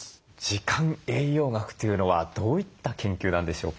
時間栄養学というのはどういった研究なんでしょうか？